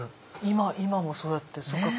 今もそうやって。